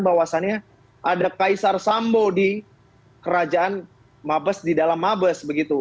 bahwasannya ada kaisar sambo di kerajaan mabes di dalam mabes begitu